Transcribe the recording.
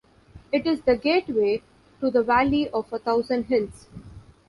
It is the gateway to the Valley of a Thousand Hills.